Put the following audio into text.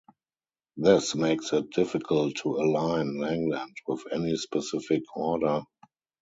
This makes it difficult to align Langland with any specific order.